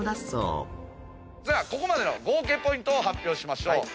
ここまでの合計ポイントを発表しましょう。